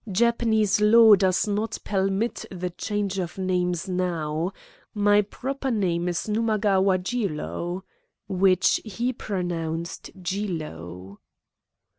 Japanese law does not pelmit the change of names now. My ploper name is Numagawa Jiro" which he pronounced "Jilo."